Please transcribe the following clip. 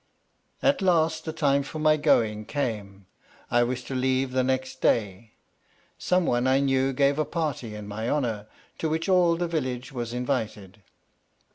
At last the time for my going came. I was to leave the next day. Some one I knew gave a party in my honour, to which all the village was invited.